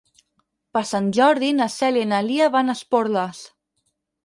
Per Sant Jordi na Cèlia i na Lia van a Esporles.